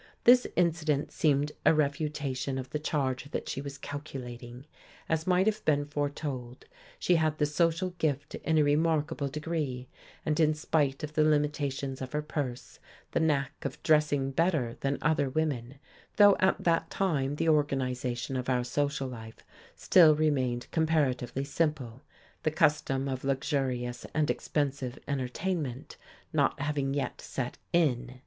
This incident seemed a refutation of the charge that she was calculating. As might have been foretold, she had the social gift in a remarkable degree, and in spite of the limitations of her purse the knack of dressing better than other women, though at that time the organization of our social life still remained comparatively simple, the custom of luxurious and expensive entertainment not having yet set in.